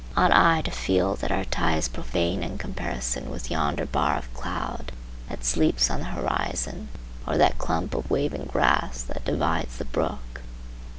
Ought I to feel that our tie is profane in comparison with yonder bar of cloud that sleeps on the horizon, or that clump of waving grass that divides the brook?